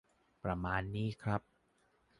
ประมาณนี้นะครับ